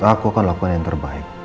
aku akan lakukan yang terbaik